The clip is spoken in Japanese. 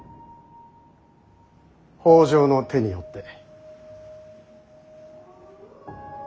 北条の手によって。